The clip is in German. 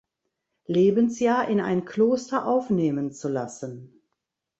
Lebensjahr in ein Kloster aufnehmen zu lassen.